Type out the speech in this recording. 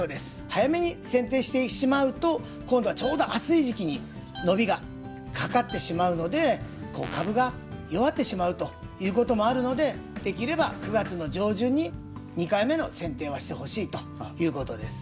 早めにせん定してしまうと今度はちょうど暑い時期に伸びがかかってしまうので株が弱ってしまうということもあるのでできれば９月の上旬に２回目のせん定はしてほしいということです。